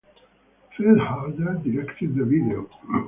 Phil Harder directed the video.